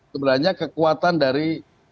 sebenarnya kekuatan dari